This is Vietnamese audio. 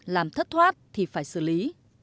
làm thất thoát thì phải xử lý